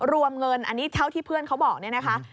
รวมเงินอันนี้เท่าที่เพื่อนเขาบอกเนี่ยนะคะ